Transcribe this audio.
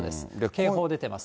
警報出てます。